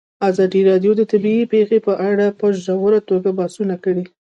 ازادي راډیو د طبیعي پېښې په اړه په ژوره توګه بحثونه کړي.